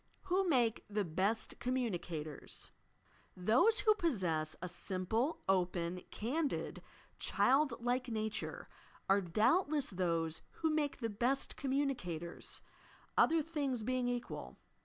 WHO MAKE THE BEST COMMUNICATOBS I Those who possess a simple, open, candid child like nature, are doubtless those who make the best "communi cators," — other things being equal.